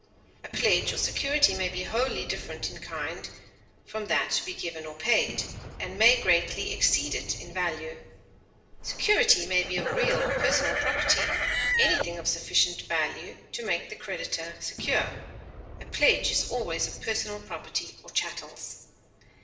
A pledge or security may be wholly different in kind from that to be given or paid, and may greatly exceed it in value. Security may be of real or personal property anything of sufficient value to make the creditor secure; a pledge is always of personal property or chattels.